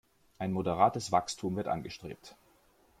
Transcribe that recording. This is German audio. Ein moderates Wachstum wird angestrebt.